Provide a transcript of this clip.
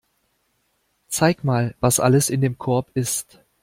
Zeig mal, was alles in dem Korb ist.